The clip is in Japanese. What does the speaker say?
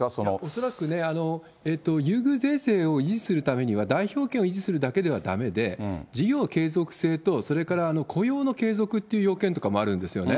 恐らくね、優遇税制を維持するためには、代表権を維持するだけではだめで、事業継続性と、それから雇用の継続っていう要件とかもあるんですよね。